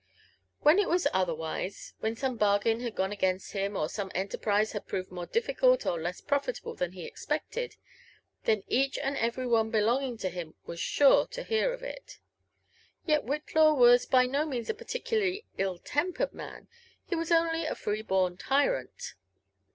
When it was otherwise «when some bargain had gone against him, or some enterprise had proved more ditficult or less profitable thain he expected, then each and every one belonging to him was sure to hear of it. Yet Whitlaw was by no means a particularly ill tempered man : he was only a free born tyrant.